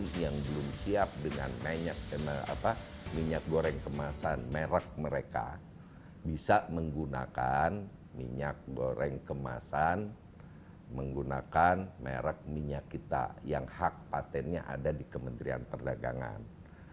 yang belum siap dengan minyak goreng kemasan merek mereka bisa menggunakan minyak goreng kemasan menggunakan merek minyak kita yang hak patentnya ada di kementerian perdagangan